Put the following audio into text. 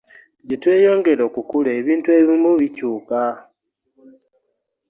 Gye tweyongera okukula ebintu ebimu bikyuka.